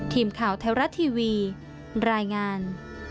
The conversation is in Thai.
ทีมข่าวไทยรัฐทีวีรายงาน